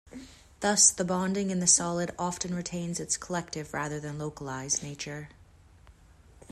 Thus, the bonding in the solid often retains its collective rather than localized nature.